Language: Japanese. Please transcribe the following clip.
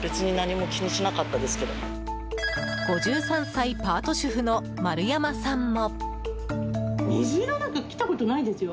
５３才パート主婦の丸山さんも。